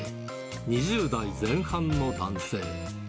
２０代前半の男性。